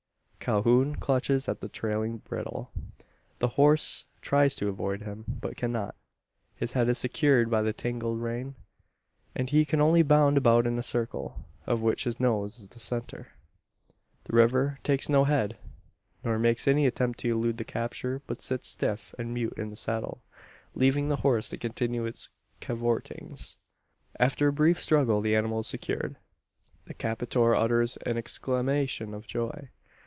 Calhoun clutches at the trailing bridle. The horse tries to avoid him, but cannot. His head is secured by the tangled rein; and he can only bound about in a circle, of which his nose is the centre. The rider takes no heed, nor makes any attempt to elude the capture; but sits stiff and mute in the saddle, leaving the horse to continue his "cavortings." After a brief struggle the animal is secured. The captor utters an exclamation of joy.